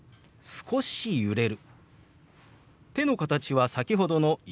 「少し揺れる」。